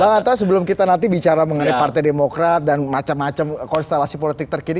bang anta sebelum kita nanti bicara mengenai partai demokrat dan macam macam konstelasi politik terkini